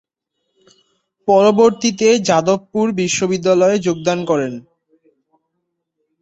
পরবর্তীতে যাদবপুর বিশ্ববিদ্যালয়ে যোগদান করেন।